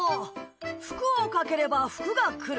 服をかければ福がくる。